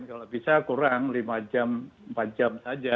kalau bisa kurang lima jam empat jam saja